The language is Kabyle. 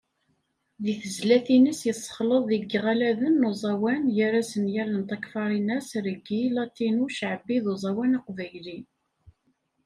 Deg tezlatin-is, yessexleḍ deg yiɣaladen n uẓawan, gar-asen Yal n Takfarinas, Reggai, Latino, Ccaɛbi, d uẓawan aqbayli.